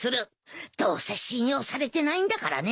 どうせ信用されてないんだからね。